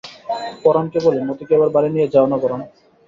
পরাণকে বলে, মতিকে এবার বাড়ি নিয়ে যাও না পরাণ?